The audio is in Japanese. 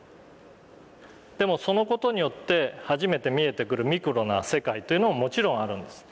でもその事によって初めて見えてくるミクロな世界というのももちろんあるんです。